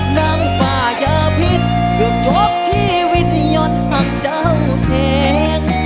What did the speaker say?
นางฟ้ายาพิษเพิ่งจบชีวิตยอดหังเจ้าเอง